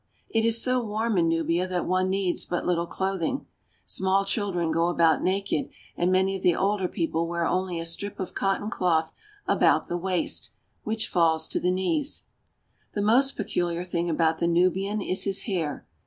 It is so warm in Nubia that one needs but little clothing. Small children go about naked, and many of the older people wear only a strip of cotton cloth about the waist, which falls to the knees The most pCLuliir thmg about the Nubian is his hair.